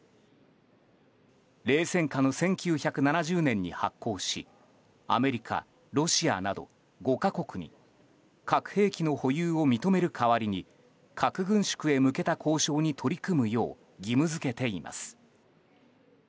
冷戦下の１９７０年に発効しアメリカ、ロシアなど５か国に核兵器の保有を認める代わりに核軍縮へ向けた交渉に取り組むよう義務付けています。